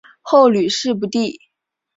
后屡试不第。